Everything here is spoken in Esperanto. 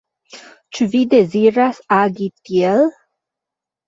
Ĉu vi deziras agi tiel?